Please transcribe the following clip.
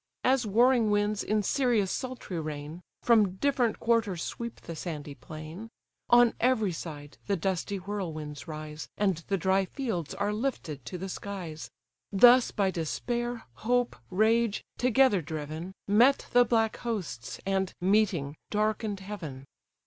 As warring winds, in Sirius' sultry reign, From different quarters sweep the sandy plain; On every side the dusty whirlwinds rise, And the dry fields are lifted to the skies: Thus by despair, hope, rage, together driven, Met the black hosts, and, meeting, darken'd heaven.